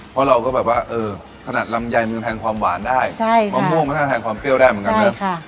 เพราะเราก็แบบว่าเออขนาดลำใยมันแทนความหวานได้ใช่ค่ะมะม่วงมันแทนความเปรี้ยวได้เหมือนกันเนอะใช่ค่ะ